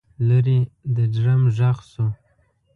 لرې د ډرم غږ شو.